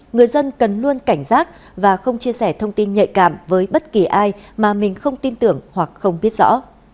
người dân cần luôn cảnh giác và không chia sẻ thông tin nhạy cảm với bất kỳ ai mà mình không tin tưởng hoặc không biết rõ